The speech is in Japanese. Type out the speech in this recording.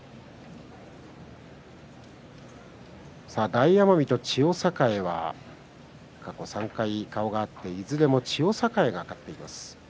大奄美と千代栄は過去３回、顔が合っていずれの千代栄が勝っています。